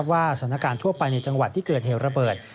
ว่าสถานการณ์ทั่วไปในจังหวัดที่เกิดเหตุระเบิด